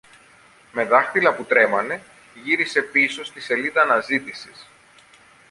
Με δάχτυλα που τρέμανε γύρισε πίσω στη σελίδα αναζήτησης